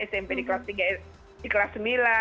smp di kelas tiga di kelas sembilan